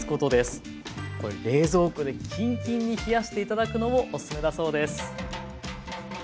これ冷蔵庫でキンキンに冷やして頂くのもおすすめだそうです。